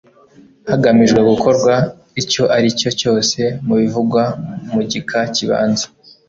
hagamijwe gukorwa icyo ari cyo cyose mu bivugwa mu gika kibanza.